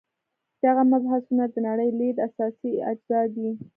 دغه مبحثونه د نړۍ لید اساسي اجزا دي.